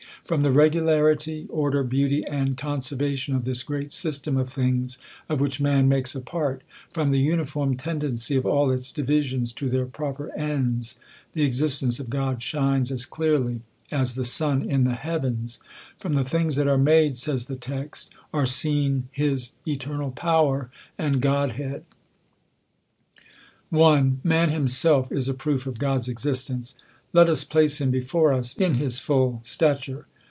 From the regularity, order, beauty, and con servation of this great system of things, of which man makes a part ; from the uniform tendency of all its di visions to their proper ends, the existence of God shines as clearly as the sun in the heavens. " From the things that are made," says the text, " are seen his eternal power and Godhead." 1. Man himself is a proof of God's existence. Let us place him before us in his full stature.